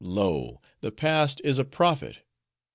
Lo! the past is a prophet.